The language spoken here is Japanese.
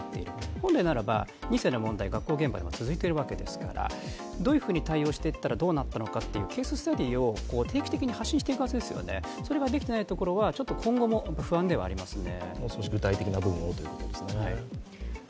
本来ならば、２世の問題は続いているわけですから、どういうふうに対応したらどうなったのかというケーススタディを発信していますがそれができていないのは今後も不安ではありますね。